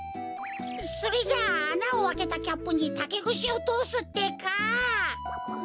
それじゃああなをあけたキャップにたけぐしをとおすってか。